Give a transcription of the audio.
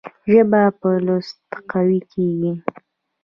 ژبه په لوست قوي کېږي.